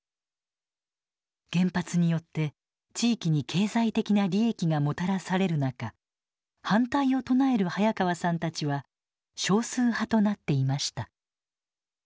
原発によって地域に経済的な利益がもたらされる中反対を唱える早川さんたちは少数派となっていました。